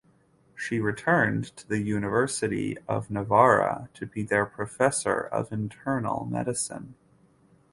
She returned to the University of Navarra to be their professor of Internal Medicine.